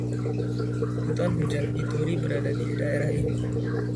Hutan hujan Ituri berada di daerah ini.